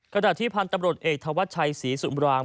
กระดาษที่พันธ์ตำรวจเอกทวชัยศรีสุมราง